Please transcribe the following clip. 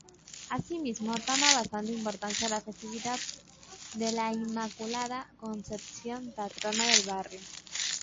Así mismo, toma bastante importancia la festividad de la Inmaculada Concepción, patrona del barrio.